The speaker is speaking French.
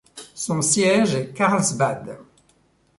Son siège est Carlsbad.